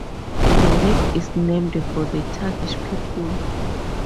The lake is named for the Tagish people.